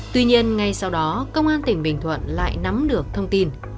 tuy nhiên ngay sau đó công an tỉnh bình thuận lại nắm được thông tin